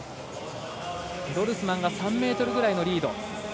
ドルスマンが３ｍぐらいのリード。